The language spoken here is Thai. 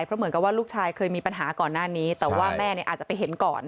เพราะเหมือนกับว่าลูกชายเคยมีปัญหาก่อนหน้านี้แต่ว่าแม่เนี่ยอาจจะไปเห็นก่อน